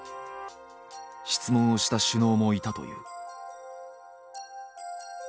質問をした首脳もいたという。